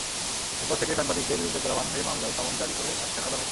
এরপর থেকে সাংবাদিকদের বিরুদ্ধে করা মানহানির মামলায় সমন জারি করে আসছেন আদালত।